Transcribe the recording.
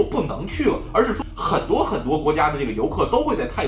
เป็นคนที่อยู่ในไทย